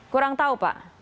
kurang tahu pak